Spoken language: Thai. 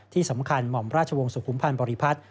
ที่สำคัญหม่อมราชวงศ์สุขุมพันธ์บริพัฒน์